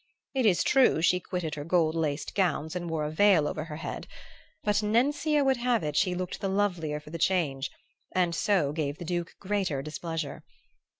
It is true she quitted her gold laced gowns and wore a veil over her head; but Nencia would have it she looked the lovelier for the change and so gave the Duke greater displeasure.